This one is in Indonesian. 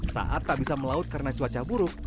saat tak bisa melaut karena cuaca buruk